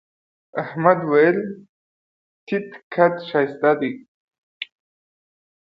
احمد وويل: تيت قد ښایست دی.